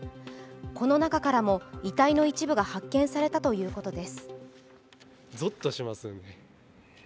この中からも遺体の一部が発見されたということです。